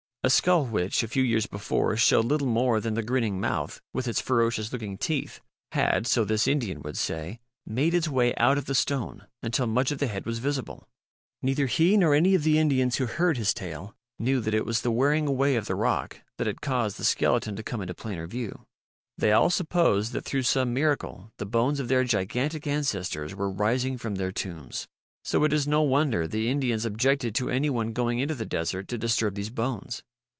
A skull which, a few years before, showed little more than the grinning mouth with its ferocious looking teeth, had, so this Indian would say, made its way out of the stone until much of the head was visible. Neither he nor any of the Indians who heard his tale knew that it was the wearing away of the rock that had caused the skeleton to come into plainer view. They all supposed that through some miracle the bones of their gigantic ancestors were rising from their tombs. So it is no wonder the Indians objected to any one going into the desert to disturb these bones.